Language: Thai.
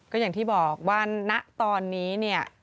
ก็อย่างที่บอกว่าณตอนนี้เนี่ย